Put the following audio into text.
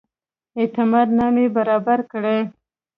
اعتماد نامې برابري کړي.